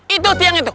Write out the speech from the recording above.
itu tiangnya itu